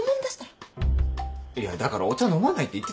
いやだからお茶飲まないって言ってたじゃん。